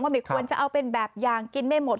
ไม่ควรจะเอาเป็นแบบอย่างกินไม่หมด